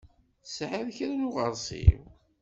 Tesɛiḍ kra n uɣeṛsiw?